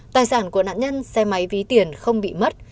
tài sản của nạn nhân xe máy ví tiền không bị mất